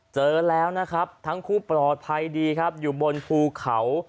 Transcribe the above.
เจอแล้วนะครับทั้งคู่ปลอดภัยดีครับอยู่บนภูเขา